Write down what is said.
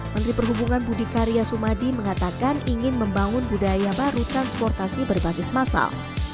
menteri perhubungan budi karya sumadi mengatakan ingin membangun budaya baru transportasi berbasis masal